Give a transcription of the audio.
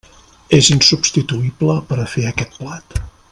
És insubstituïble per a fer aquest plat.